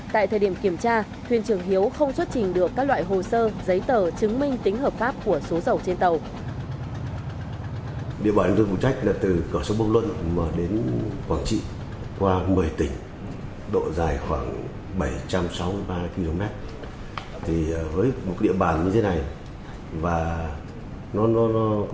tại thời điểm kiểm tra thuyền trường hiếu không xuất trình được các loại hồ sơ giấy tờ chứng minh tính hợp pháp của số dầu trên tàu